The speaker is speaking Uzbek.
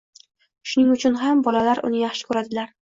Shuning uchun ham bolalar uni yaxshi ko‘radilar.